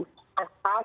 atas pekerjaan lain